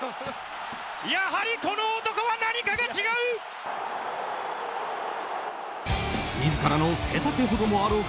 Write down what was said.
やはり、この男は何かが違う！